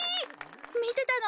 みてたの？